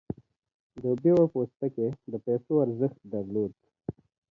د بیور پوستکی د پیسو ارزښت درلود.